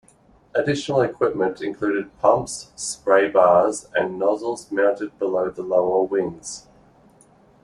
Additional equipment included pumps, spray bars, and nozzles mounted below the lower wings.